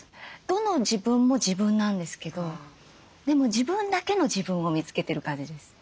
どの自分も自分なんですけどでも自分だけの自分を見つけてる感じです。